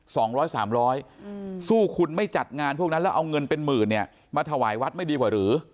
สองร้อยสามร้อยอืมสู้คุณไม่จัดงานพวกนั้นแล้วเอาเงินเป็นหมื่นเนี่ยมาถวายวัดไม่ดีกว่าหรือ